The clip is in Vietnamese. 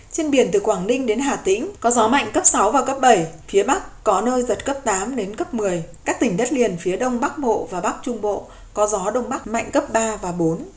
trên biển từ quảng ninh đến hà tĩnh có gió mạnh cấp sáu và cấp bảy phía bắc có nơi giật cấp tám đến cấp một mươi các tỉnh đất liền phía đông bắc bộ và bắc trung bộ có gió đông bắc mạnh cấp ba và bốn